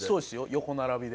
横並びで。